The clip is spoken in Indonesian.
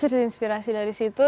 terus terinspirasi dari situ